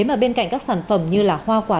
mà bên cạnh các sản phẩm như là hoa quả